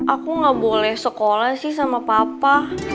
aku nggak boleh sekolah sih sama papa